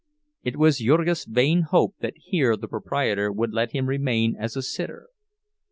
It was Jurgis's vain hope that here the proprietor would let him remain as a "sitter."